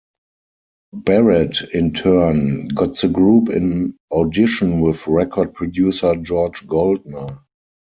Barrett, in turn, got the group an audition with record producer George Goldner.